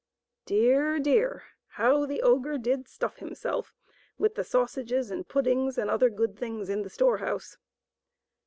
Dear, dear! how the ogre did stuff himself with the sausages and puddings and other good things in the storehouse.